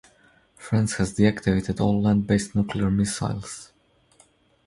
France has deactivated all land-based nuclear missiles.